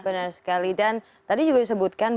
benar sekali dan tadi juga disebutkan